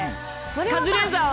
カズレーザーは。